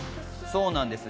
そうなんです。